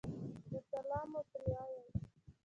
نو سلام مو پرې ووې